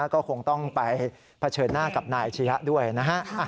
ก็คงต้องไปเผชิญหน้ากับนายอาชียะด้วยนะฮะ